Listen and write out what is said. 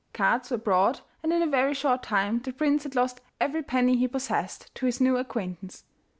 Cards were brought, and in a very short time the prince had lost every penny he possessed to his new acquaintance.